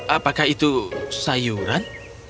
apakah itu sayuran